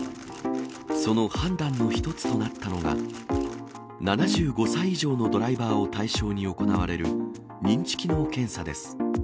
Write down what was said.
その判断の一つとなったのが、７５歳以上のドライバーを対象に行われる、認知機能検査です。